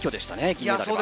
銀メダルは。